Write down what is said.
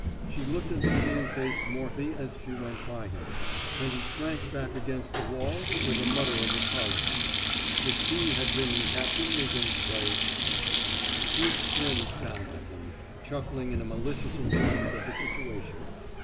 She looked at the shamefaced Morphy as she went by him, and he shrank back against the wall with a mutter of apology. If he had been in Captain Meaghan^s place — Fuchs grinned down at them, chuckling in a malicious enjoyment of the situation.